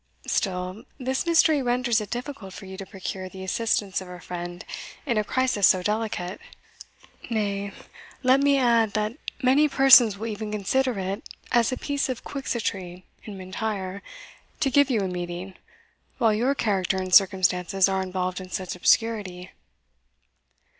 Still, this mystery renders it difficult for you to procure the assistance of a friend in a crisis so delicate nay, let me add, that many persons will even consider it as a piece of Quixotry in M'Intyre to give you a meeting, while your character and circumstances are involved in such obscurity."